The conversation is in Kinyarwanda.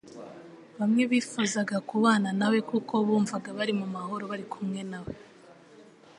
Bamwe bifuzaga kubana na we kuko bumvaga bari mu mahoro bari kumwe na we,